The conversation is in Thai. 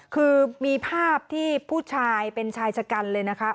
คือมีภาพที่ผู้ชายเป็นชายชะกันเลยนะคะ